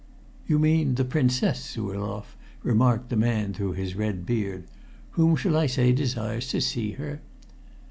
"You mean the Princess Zurloff," remarked the man through his red beard. "Whom shall I say desires to see her?"